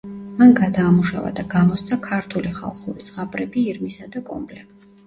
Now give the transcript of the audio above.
მან გადაამუშავა და გამოსცა ქართული ხალხური ზღაპრები „ირმისა“ და „კომბლე“.